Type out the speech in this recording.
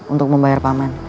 untuk membayar paman